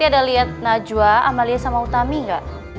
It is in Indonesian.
enggak liat najwa amalia sama utami enggak